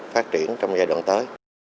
phát triển trong giai đoạn tới